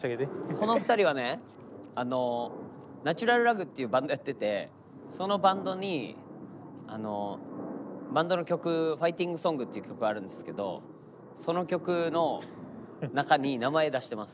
「ＮａｔｕｒａｌＬａｇ」っていうバンドやっててそのバンドにバンドの曲「ファイティング・ソング」っていう曲あるんですけどその曲の中に名前出してます。